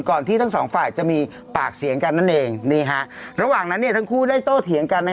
ที่ทั้งสองฝ่ายจะมีปากเสียงกันนั่นเองนี่ฮะระหว่างนั้นเนี่ยทั้งคู่ได้โต้เถียงกัน